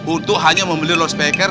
untuk hanya membeli los vegas